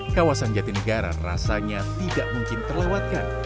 kawasan jati negara rasanya tidak mungkin terlewatkan